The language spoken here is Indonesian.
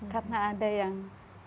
karena ada yang